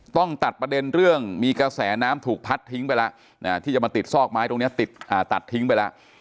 ต้องตัดประเด็นเรื่องมีกระแสน้ำถูกพัดทิ้งไปแล้วที่จะมาติดซอกไม้ตรงนี้ติดตัดทิ้งไปแล้ว